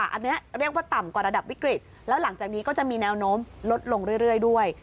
อันนี้เรียกว่าต่ำกว่าระดับวิกฤตแล้วหลังจากนี้ก็จะมีแนวโน้มลดลงเรื่อยด้วย